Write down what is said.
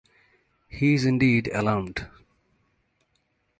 He is indeed alarmed.